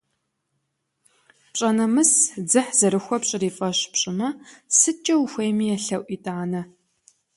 Пщӏэ, нэмыс, дзыхь зэрыхуэпщӏыр и фӏэщ пщӏымэ, сыткӏэ ухуейми елъэӏу итӏанэ.